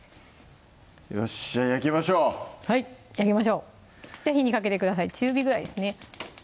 よしじゃ焼きましょうはい焼きましょう火にかけてください中火ぐらいですね